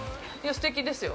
◆すてきですよ。